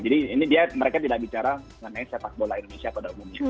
jadi ini dia mereka tidak bicara mengenai sepak bola indonesia pada umumnya